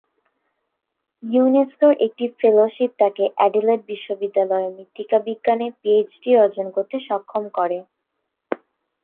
ইউনেস্কোর একটি ফেলোশিপ তাকে অ্যাডিলেড বিশ্ববিদ্যালয়ের মৃত্তিকা বিজ্ঞানে পিএইচডি অর্জন করতে সক্ষম করে।